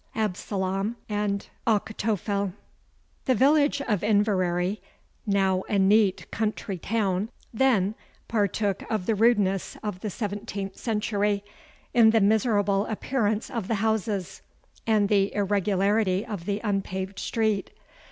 ABSALOM AND ACHITOPHEL. The village of Inverary, now a neat country town, then partook of the rudeness of the seventeenth century, in the miserable appearance of the houses, and the irregularity of the unpaved street.